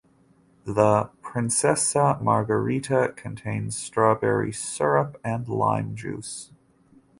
The "Princesa" margarita contains strawberry syrup and lime juice.